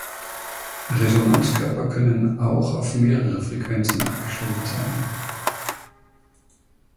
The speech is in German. Resonanzkörper können auch auf mehrere Frequenzen abgestimmt sein.